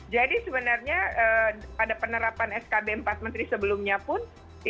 jadi sebenarnya pada penerapan skb empat menteri sebelumnya pun